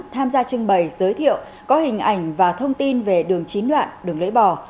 tham gia trưng bày giới thiệu có hình ảnh và thông tin về đường chín đoạn đường lưỡi bò